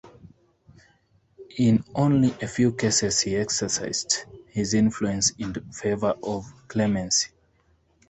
In only a few cases he exercised his influence in favour of clemency.